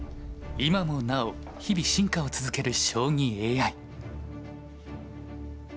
今もなお日々進化を続ける将棋ＡＩ。